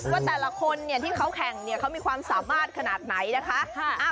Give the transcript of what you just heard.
ว่าแต่ละคนที่เขาแข่งเขามีความสามารถขนาดไหนนะคะ